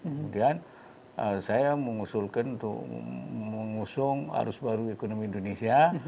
kemudian saya mengusulkan untuk mengusung arus baru ekonomi indonesia